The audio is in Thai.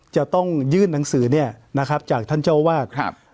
จะต้องยื่นหนังสือเนี่ยนะครับจากท่านเจ้าวาดครับ